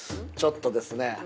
ちょっとですね